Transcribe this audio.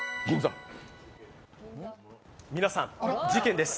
皆さん、事件です。